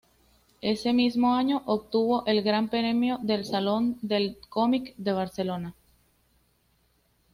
Ese mismo año, obtuvo el Gran Premio del Salón del Cómic de Barcelona.